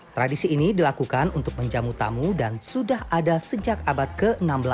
tradisi ini dilakukan untuk menjamu tamu dan sudah ada sejak abad ke enam belas